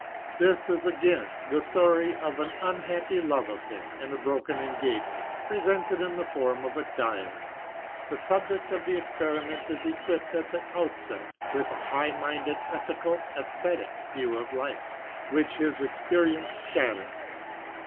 This is again the story of an unhappy love affair and a broken engagement, presented in the form of a diary. The subject of the experiment is equipped at the outset with a high minded ethico esthetic view of life, which his experience shatters.